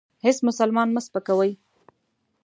هیڅ مسلمان مه سپکوئ.